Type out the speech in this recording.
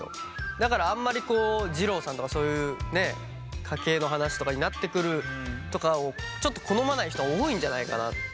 だからあんまり二郎さんとかそういう家系の話とかになってくるとかをちょっと好まない人は多いんじゃないかな。